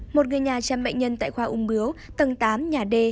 một người nhà chăm bệnh nhân tại khoa ung biếu tầng tám nhà d